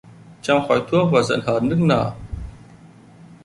Trong khói thuốc và giận hờn nức nở